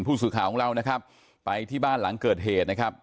ผู้สื่อข่าวของเรานะครับไปที่บ้านหลังเกิดเหตุนะครับ